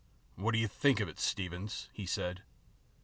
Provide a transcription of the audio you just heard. " What do you think of it, Steevens ?" he asked.